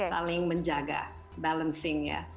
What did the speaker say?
saling menjaga balancing ya